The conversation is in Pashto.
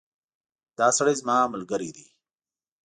دا سړی زما ملګری ده